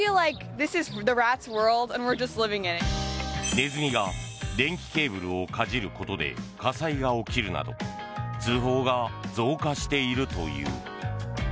ネズミが電気ケーブルをかじることで火災が起きるなど通報が増加しているという。